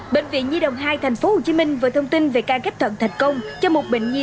bệnh viện nhi đồng hai tp hcm vừa thông tin về ca ghép thận thành công cho một bệnh nhi